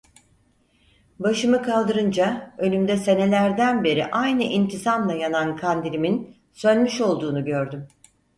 Başımı kaldırınca, önümde senelerden beri aynı intizamla yanan kandilimin sönmüş olduğunu gördüm.